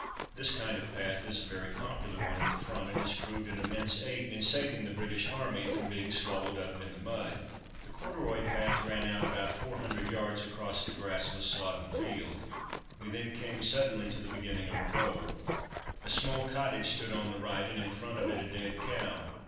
This kind of path is a very popular one at the front, and has proved an immense aid in saving the British army from being swallowed up in the mud. The corduroy path ran out about four hundred yards across the grassless, sodden field. We then came suddenly to the beginning of a road. A small cottage stood on the right, and in front of it a dead cow.